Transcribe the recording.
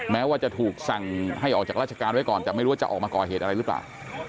แม้ว่าจะถูกสั่งให้ออกจากราชการไว้ก่อนแต่ไม่รู้ว่าจะออกมาก่อเหตุอะไรหรือเปล่า